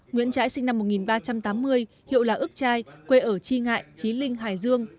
nguyễn trãi sinh năm một nghìn ba trăm tám mươi hiệu là ức trai quê ở tri ngại trí linh hải dương